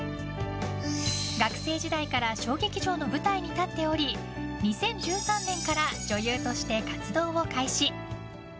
学生時代から小劇場の舞台に立っており２０１３年から女優として活動を開始。